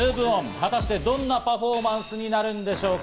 果たしてどんなパフォーマンスになるんでしょうか。